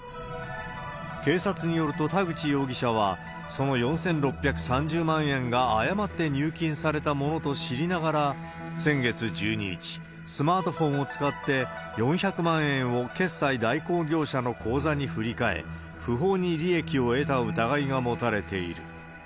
警察によると、田口容疑者は、その４６３０万円が誤って入金されたものと知りながら、先月１２日、スマートフォンを使って、４００万円を決済代行業者の口座に振り替え、不法に利益を得た疑いが持たれている。